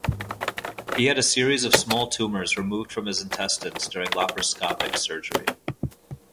He had a series of small tumors removed from his intestines during laparoscopic surgery.